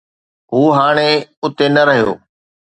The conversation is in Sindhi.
هو هاڻي اتي نه رهيو.